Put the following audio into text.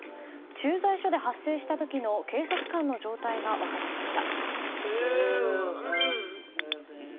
駐在所で発生した時の警察官の状態が分かりました。